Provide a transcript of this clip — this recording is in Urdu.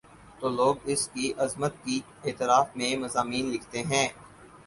تو لوگ اس کی عظمت کے اعتراف میں مضامین لکھتے ہیں۔